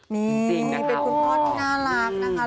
นี่เป็นคุณพ่อที่น่ารักนะคะ